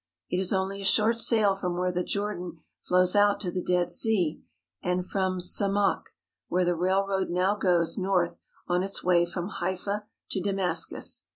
It is only a short sail from where the Jordan flows out to the Dead Sea, and from Semakh, where the railroad now goes north on its way from Haifa to Damascus.